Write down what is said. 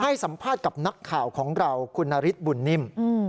ให้สัมภาษณ์กับนักข่าวของเราคุณนฤทธิบุญนิ่ม